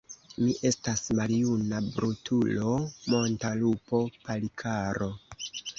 Mi estas maljuna brutulo, monta lupo, Palikaro!